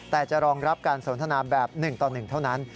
แต่จะรองรับการสนทนาแบบ๑ต่อ๑เท่านั้น